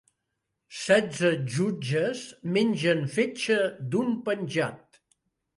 Setze jutges mengen fetge d'un penjat